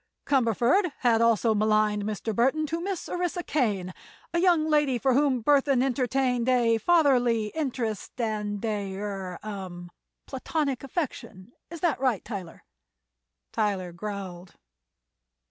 "Cumberford had also maligned Mr. Burthon to Miss Orissa Kane, a young lady for whom Burthon entertained a fatherly interest and a—er—hum—a platonic affection. Is that right, Tyler?" Tyler growled.